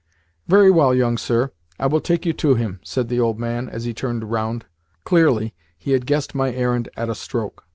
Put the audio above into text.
"Very well, young sir; I will take you to him," said the old man as he turned round. Clearly he had guessed my errand at a stroke.